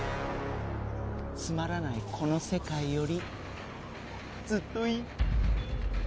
つまらないこの世界よりずっといい。